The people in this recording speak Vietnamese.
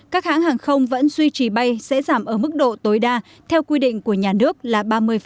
các hãng hàng không vẫn duy trì bay sẽ giảm ở mức độ tối đa theo quy định của nhà nước là ba mươi